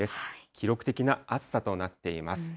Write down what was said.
記録的な暑さとなっています。